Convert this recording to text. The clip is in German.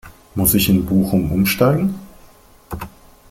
Muss ich in Bochum umsteigen?